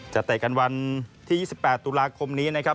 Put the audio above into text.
เตะกันวันที่๒๘ตุลาคมนี้นะครับ